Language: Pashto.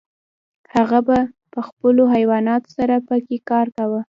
هغه به په خپلو حیواناتو سره پکې کار کاوه.